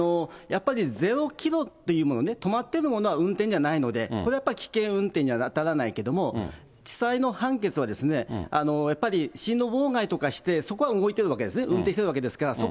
やっぱりゼロキロっていうの、止まっているものは運転じゃないので、これやっぱり危険運転には当たらないけれども、地裁の判決は、やっぱり進路妨害とかして、そこは動いてるわけですね、運転してるわけですから。